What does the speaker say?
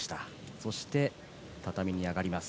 そして畳に上がります。